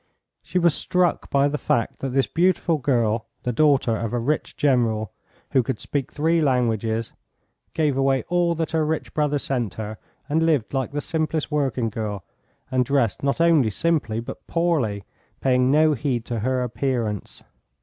She was struck by the fact that this beautiful girl, the daughter of a rich general, who could speak three languages, gave away all that her rich brother sent her, and lived like the simplest working girl, and dressed not only simply, but poorly, paying no heed to her appearance.